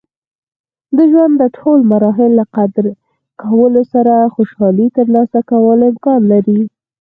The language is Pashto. د ژوند د ټول مراحل له قدر کولو سره خوشحالي ترلاسه کول امکان لري.